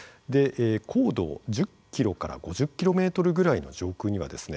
高度１０キロから５０キロメートルぐらいの上空にはですね